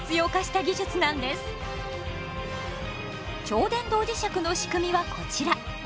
超電導磁石の仕組みはこちら。